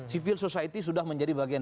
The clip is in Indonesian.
civil society sudah menjadi bagian